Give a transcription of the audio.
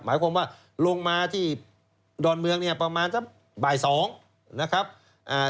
หมายความว่าลงมาที่ดอนเมืองเนี่ยประมาณสักบ่ายสองนะครับอ่า